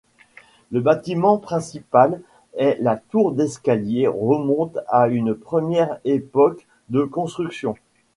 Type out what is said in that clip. Le bâtiment principal avec la tour d'escalier remonte à une première époque de construction.